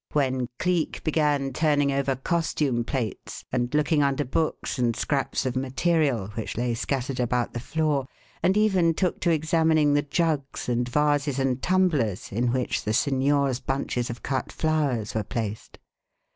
when Cleek began turning over costume plates and looking under books and scraps of material which lay scattered about the floor, and even took to examining the jugs and vases and tumblers in which the signor's bunches of cut flowers were placed.